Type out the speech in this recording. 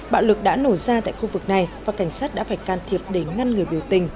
bạo lực đã nổ ra tại khu vực này và cảnh sát đã phải can thiệp để ngăn người biểu tình